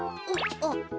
あっ。